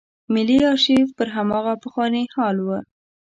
ملي آرشیف پر هماغه پخواني حال و.